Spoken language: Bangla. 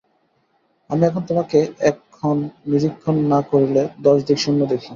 আমি এখন তোমাকে এক ক্ষণ নিরীক্ষণ না করিলে দশ দিক শূন্য দেখি।